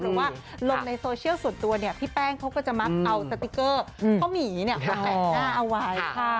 หรือว่าลมในโซเชียลส่วนตัวเนี่ยแล้วพี่แป้งเค้าก็จะมัสเอาสติกเกอร์เพราะหมีเนี่ยเป็นหน้าอวายค่ะ